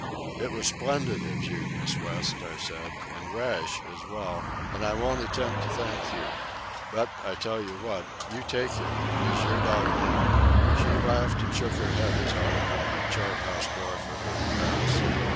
"It was splendid of you, Miss West," I said, "and rash, as well, and I won't attempt to thank you. But I tell you what you take him. He's your dog now." She laughed and shook her head as I opened the chart house door for her to pass.